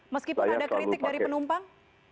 meskipun ada kritik dari penumpang